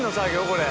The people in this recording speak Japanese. これ。